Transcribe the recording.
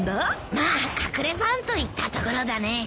まあ隠れファンといったところだね。